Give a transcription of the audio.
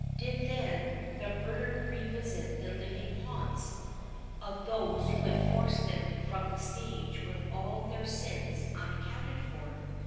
Did, then, the murdered revisit the living haunts of those who had forced them from the stage with all their sins unaccounted for?